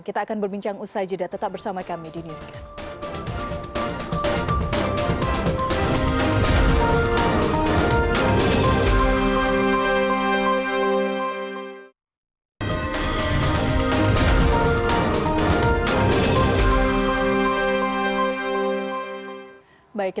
kita akan berbincang usai jeda tetap bersama kami di newscast